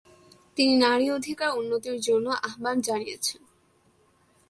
তিনি নারী অধিকার উন্নতির জন্য আহ্বান জানিয়েছেন।